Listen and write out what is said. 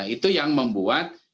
itu yang membuat